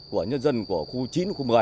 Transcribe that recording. của nhân dân của khu chín khu một mươi